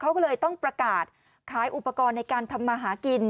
เขาก็เลยต้องประกาศขายอุปกรณ์ในการทำมาหากิน